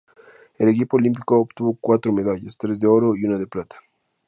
El equipo olímpico obtuvo cuatro medallas: tres de oro y una de plata.